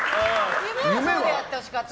夢はそうであってほしかった。